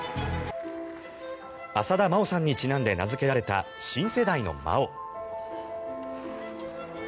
浅田真央さんにちなんで名付けられた新世代の「麻央」。